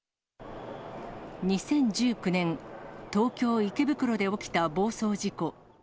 ２０１９年、東京・池袋で起きた暴走事故。